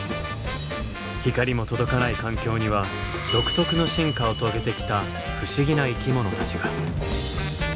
光も届かない環境には独特の進化を遂げてきた不思議な生き物たちが。